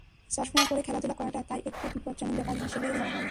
চশমা পরে খেলাধুলা করাটা তাই একটু বিপজ্জনক ব্যাপার হিসেবেই ধরা হয়।